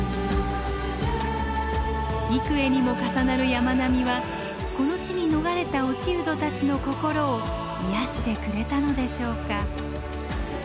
幾重にも重なる山並みはこの地に逃れた落人たちの心を癒やしてくれたのでしょうか？